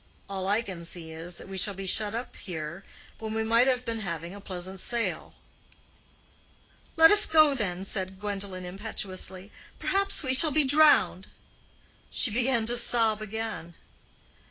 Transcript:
All I can see is, that we shall be shut up here when we might have been having a pleasant sail." "Let us go, then," said Gwendolen, impetuously. "Perhaps we shall be drowned." She began to sob again.